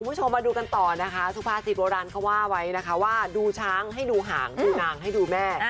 คุณผู้ชมมาดูกันต่อนะคะสุภาษิตโบราณเขาว่าไว้นะคะว่าดูช้างให้ดูหางดูนางให้ดูแม่